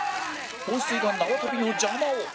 放水が縄跳びの邪魔を